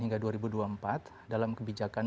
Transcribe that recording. hingga dua ribu dua puluh empat dalam kebijakan